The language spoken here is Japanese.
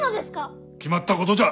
決まったことじゃ。